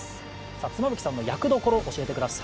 妻夫木さんの役どころを教えてください。